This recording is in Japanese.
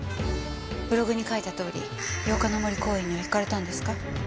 ブログに書いたとおり八日の森公園には行かれたんですか？